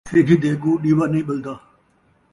سجھ دے اڳوں ݙیوا نئیں ٻلدا